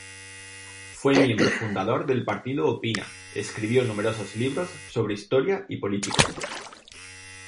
Fue miembro fundador del partido Opina, escribió numerosos libros sobre historia y política.